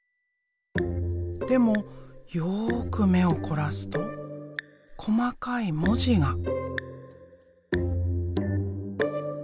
でもよく目を凝らすと細かい文字が。